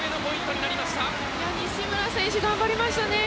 にしむら選手、頑張りましたね。